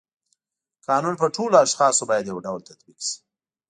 قانون په ټولو اشخاصو باید یو ډول تطبیق شي.